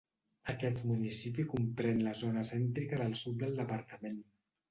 Aquest municipi comprèn la zona cèntrica del sud del departament.